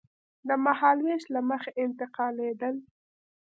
د مهالوېش له مخې انتقالېدل.